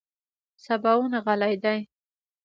سباوون غلی دی .